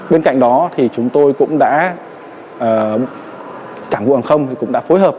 bên cạnh đó thì chúng tôi cũng đã cảng vụ hàng không cũng đã phối hợp